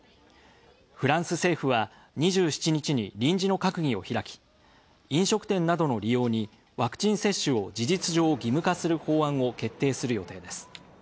フランス政府は２７日に臨時の閣議を開き、飲食店などの利用にワクチン接種を事実上義務化する法案を決定する予定です。